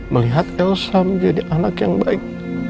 melihat elsa menjadi anak yang baik